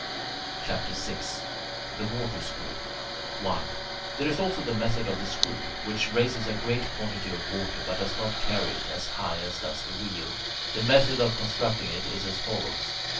CHAPTER VI THE WATER SCREW 1. There is also the method of the screw, which raises a great quantity of water, but does not carry it as high as does the wheel. The method of constructing it is as follows.